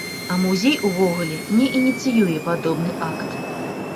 А музей увогуле не ініцыюе падобны акт.